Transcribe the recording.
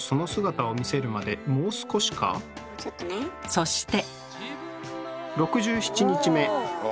そして。